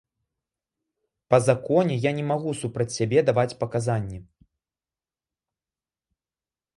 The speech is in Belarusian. Па законе я не магу супраць сябе даваць паказанні.